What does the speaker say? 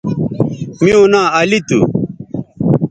میوں ناں علی تھو